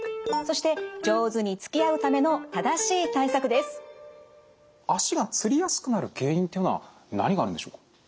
まずは最近足がつりやすくなる原因っていうのは何があるんでしょう。